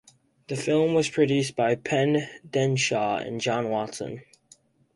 The film was produced by Pen Densham and John Watson.